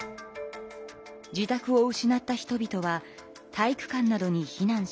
自宅を失った人々は体育館などにひなんしました。